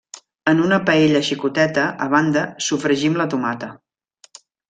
En una paella xicoteta, a banda, sofregim la tomata.